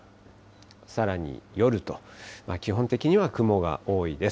さらに夜と、基本的には雲が多いです。